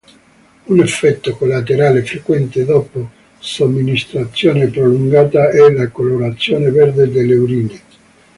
Un effetto collaterale frequente dopo somministrazione prolungata è la colorazione verde delle urine.